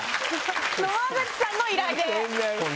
野間口さんの依頼で！